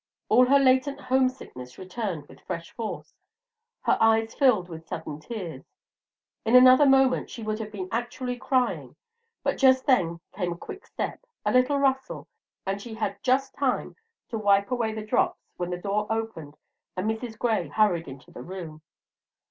All her latent homesickness returned with fresh force. Her eyes filled with sudden tears; in another moment she would have been actually crying, but just then came a quick step, a little rustle, and she had just time to wipe away the drops when the door opened, and Mrs. Gray hurried into the room.